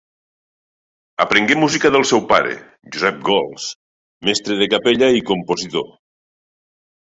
Aprengué música del seu pare, Josep Gols, mestre de capella i compositor.